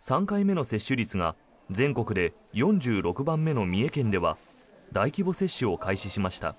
３回目の接種率が全国で４６番目の三重県では大規模接種を開始しました。